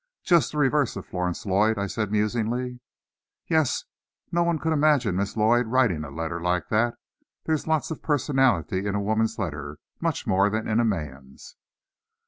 "Just the reverse of Florence Lloyd," I said musingly. "Yes; no one could imagine Miss Lloyd writing a letter like that. There's lots of personality in a woman's letter. Much more than in a man's."